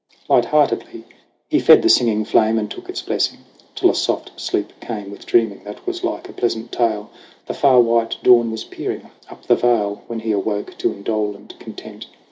Light heartedly he fed the singing flame And took its blessing : till a soft sleep came With dreaming that was like a pleasant tale. The far white dawn was peering up the vale When he awoke to indolent content.